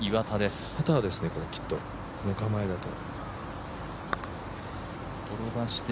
パターですね、きっとこの構えだと。